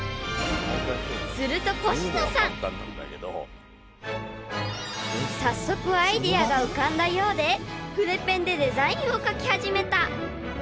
［するとコシノさん早速アイデアが浮かんだようで筆ペンでデザインを描き始めた！］